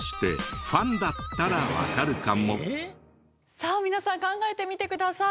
さあ皆さん考えてみてください。